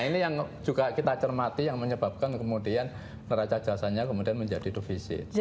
nah ini yang juga kita cermati yang menyebabkan kemudian neraca jasanya kemudian menjadi defisit